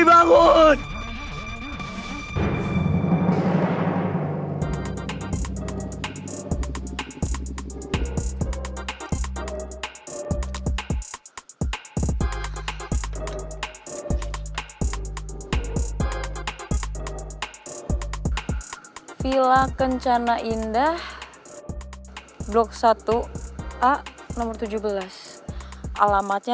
bi sadar bi